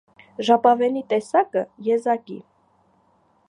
Ժապավենի տեսակը՝ եզակի։